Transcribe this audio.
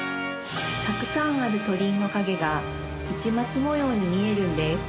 たくさんある鳥居の影が市松模様に見えるんです。